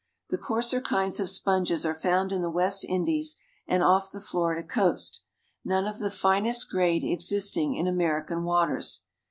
The coarser kinds of sponges are found in the West Indies and off the Florida coast, none of the finest grade existing in American waters.